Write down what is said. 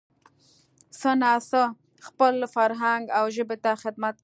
څه نا څه خپل فرهنګ او ژبې ته خدمت کومه